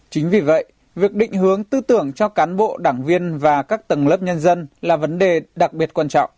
chính vì vậy việc định hướng tư tưởng cho cán bộ đảng viên và các tầng lớp nhân dân là vấn đề đặc biệt quan trọng